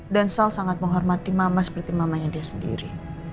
dan sal sangat menghormati mama seperti mamanya dia sendiri